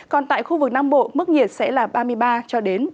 còn tại khu vực nam bộ mức nhiệt sẽ là ba mươi ba ba mươi bốn độ